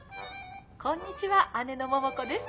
こんにちは姉の桃子です。